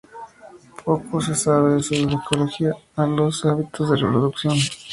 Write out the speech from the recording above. Poco se sabe de su ecología o los hábitos de reproducción.